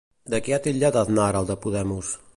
De què ha titllat Aznar al de Podemos?